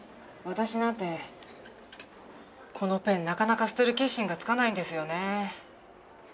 私なんてこのペンなかなか捨てる決心がつかないんですよね。